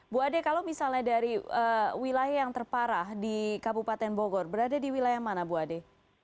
bu ade kalau misalnya dari wilayah yang terparah di kabupaten bogor berada di wilayah mana bu ade